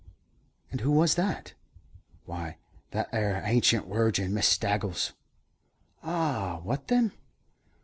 "And who was that?" "Why, that 'ere hancient wirgin, Miss Staggles." "Ah, what then?"